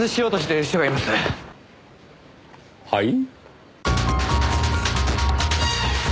はい？